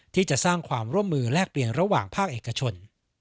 ที่จะสร้างความร่วมมือแลกเปลี่ยนระหว่างภาคเอกชน